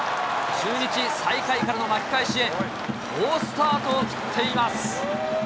中日、最下位からの巻き返しへ、好スタートを切っています。